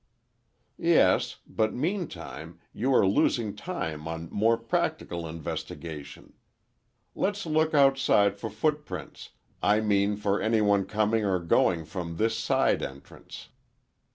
"Yes, but meantime, you are losing time on more practical investigation. Let's look outside for footprints—I mean for any one coming or going from this side entrance."